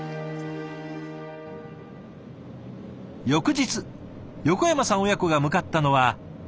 翌日横山さん親子が向かったのは。